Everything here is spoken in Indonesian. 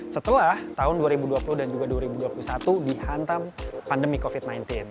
setelah tahun dua ribu dua puluh dan juga dua ribu dua puluh satu dihantam pandemi covid sembilan belas